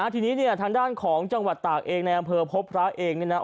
ทีนี้ทางด้านของจังหวัดตากเองในอำเภอพบร้าเอง